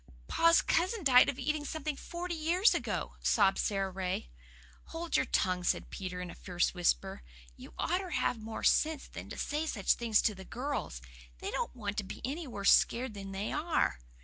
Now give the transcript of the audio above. "Pa's cousin died of eating something forty years ago," sobbed Sara Ray. "Hold your tongue," said Peter in a fierce whisper. "You oughter have more sense than to say such things to the girls. They don't want to be any worse scared than they are."